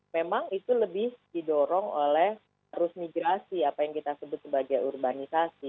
memang itu lebih didorong oleh arus migrasi apa yang kita sebut sebagai urbanisasi